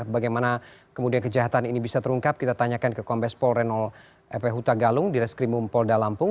bagaimana kemudian kejahatan ini bisa terungkap kita tanyakan ke kombes pol renol epeh huta galung direktur kriminal umum polda lampung